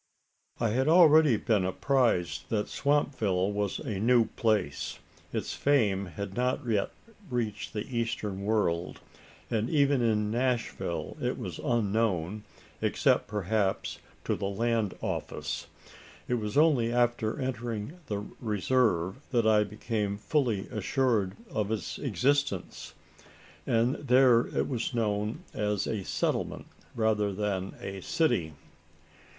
I had been already apprised that Swampville was a new place. Its fame had not yet reached the eastern world; and even in Nashville was it unknown, except, perhaps, to the Land Office. It was only after entering the Reserve, that I became fully assured of its existence; and there it was known as a "settlement" rather than a "city."